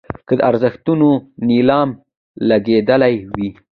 که د ارزښتونو نیلام لګېدلی وي.